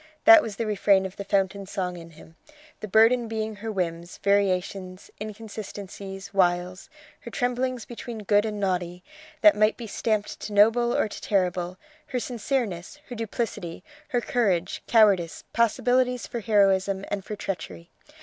That was the refrain of the fountain song in him; the burden being her whims, variations, inconsistencies, wiles; her tremblings between good and naughty, that might be stamped to noble or to terrible; her sincereness, her duplicity, her courage, cowardice, possibilities for heroism and for treachery.